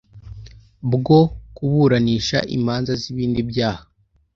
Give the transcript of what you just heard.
bwo kuburanisha imanza z ibindi byaha